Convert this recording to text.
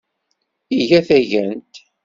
Iga tagant.